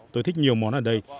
tôi thích nhiều món ở đây